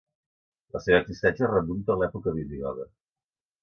La seva existència es remunta a l'època visigoda.